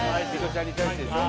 ちゃんに対してでしょ？